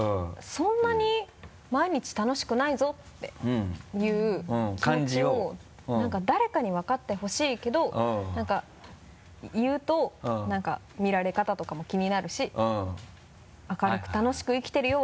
そんなに毎日楽しくないぞっていう気持ちを誰かに分かってほしいけど言うとなんか見られ方とかも気になるし明るく楽しく生きてるよ